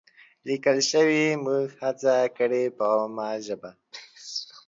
لیکل شوې، موږ هڅه کړې په عامه ژبه